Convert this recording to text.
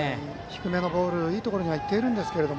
低めのボールいいところに行ってるんですけど。